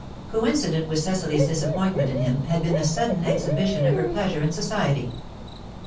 Coincident with Cecily's disappointment in him had been the sudden exhibition of her pleasure in society.